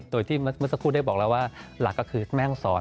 โดยที่เมื่อสักครู่ได้บอกแล้วว่าหลักก็คือแม่ห้องศร